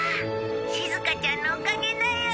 しずかちゃんのおかげだよ。